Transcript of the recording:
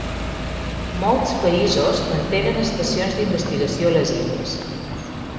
Molts països mantenen estacions d'investigació a les illes.